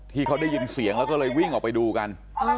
ที่เขาได้ยินเสียงแล้วก็เลยวิ่งออกไปดูกัน